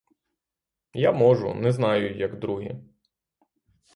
Я можу, не знаю, як другі.